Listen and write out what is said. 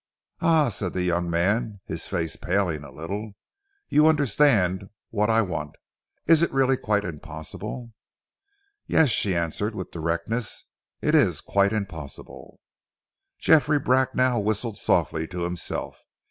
"Ah!" said the young man, his face paling a little, "you understand what I want. Is it really quite impossible?" "Yes," she answered with directness, "it is quite impossible." Geoffrey Bracknell whistled softly to himself.